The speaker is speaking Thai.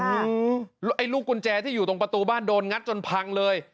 โอ้โหแล้วไอ้ลูกกุญแจที่อยู่ตรงประตูบ้านโดนงัดจนพังเลย